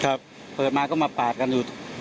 เปิดมาก็มาปาดกันอยู่